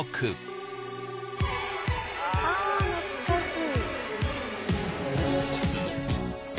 懐かしい！